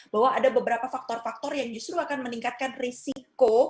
bahwa ada beberapa faktor faktor yang justru akan meningkatkan risiko